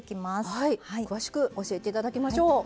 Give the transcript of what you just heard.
はい詳しく教えて頂きましょう。